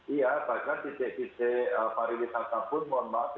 iya bahkan di jgc pariwisata pun mohon maaf